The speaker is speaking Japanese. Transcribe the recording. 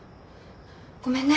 ごめんね。